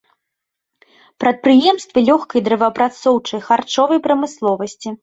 Прадпрыемствы лёгкай, дрэваапрацоўчай, харчовай прамысловасці.